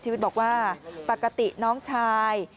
มีการฆ่ากันห้วย